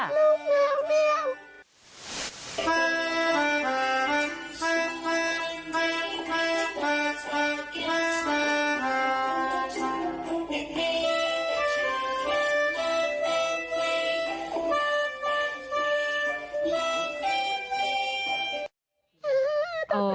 ลูกแมว